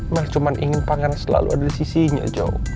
mel cuman ingin pangeran selalu ada di sisinya jo